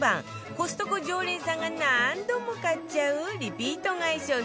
コストコ常連さんが何度も買っちゃうリピート買い商品